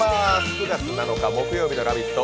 ９月７日木曜日の「ラヴィット！」